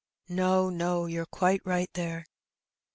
"No, no; you're quite right there."